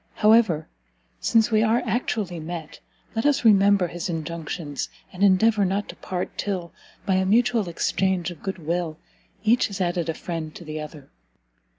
However, since we are actually met, let us remember his injunctions, and endeavour not to part till, by a mutual exchange of good will, each has added a friend to the other."